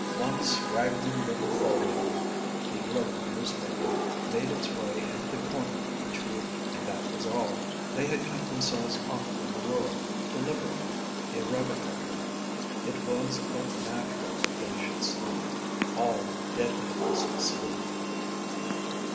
One straggling little folio, the local newspaper, made its way into the corner each week and that was all. They had cut themselves off from the world, deliberately, irrevocably. It was but natural that they should sleep. All dead things sleep!